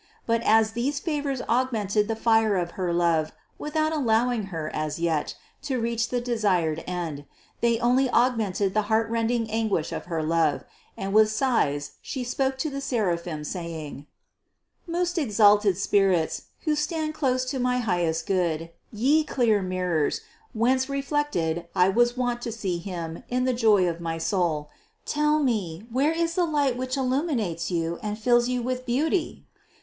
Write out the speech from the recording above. But as these favors augmented the fire of her love without allowing Her as yet to reach the desired end, they only augmented the heartrending anguish of her love, and with sighs She spoke to the seraphim, saying: "Most exalted spirits, who stand close to my highest Good, ye clear mirrors, whence reflected I was wont to see Him in the joy of my soul, tell me, where is the light which illuminates you and fills you with beauty?